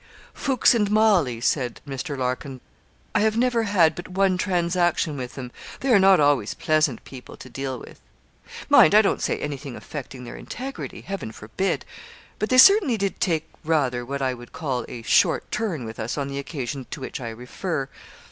'Foukes and Mauley,' said Mr. Larkin. 'I have never had but one transaction with them; they are not always pleasant people to deal with. Mind, I don't say anything affecting their integrity Heaven forbid; but they certainly did take rather what I would call a short turn with us on the occasion to which I refer.